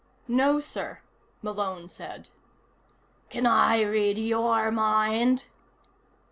"No, sir," Malone said. "Can I read your mind?"